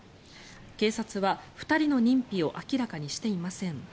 警察は２人の認否を明らかにしていません。